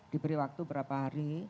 diberi waktu beberapa hari